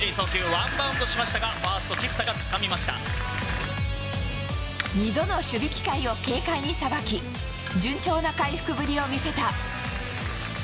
ワンバウンドしましたが、ファースト、２度の守備機会を軽快にさばき、順調な回復ぶりを見せた。